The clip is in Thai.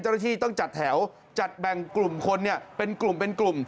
เจ้าหน้าที่ต้องจัดแถวจัดแบ่งกลุ่มคนเป็นกลุ่ม